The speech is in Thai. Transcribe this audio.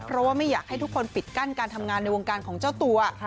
เพราะว่าไม่อยากให้ทุกคนปิดกั้นการทำงานในวงการของเจ้าตัว